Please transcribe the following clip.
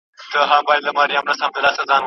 استازي خپل وړانديزونه شورا ته وړاندي کوي.